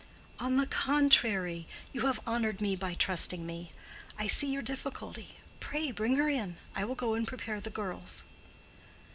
"On the contrary. You have honored me by trusting me. I see your difficulty. Pray bring her in. I will go and prepare the girls."